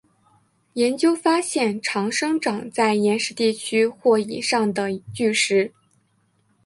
研究发现常生长在岩石地区或以上的巨石。